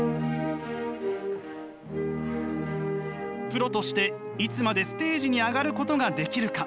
プロとしていつまでステージに上がることができるか。